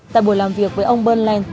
tại buổi làm việc với ông burnland